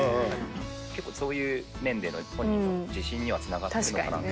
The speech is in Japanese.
結構、そういうもんでも本人の自信にはつながっているのかなって。